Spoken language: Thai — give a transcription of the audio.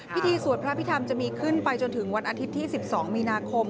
พิธีสวดพระพิธรรมจะมีขึ้นไปจนถึงวันอาทิตย์ที่๑๒มีนาคม